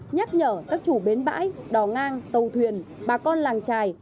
nhắc nhở các chủ bến bãi đò ngang tàu thuyền bà con làng trài